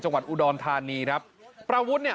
สวยสวยสวยสวยสวยสวยสวยสวยสวย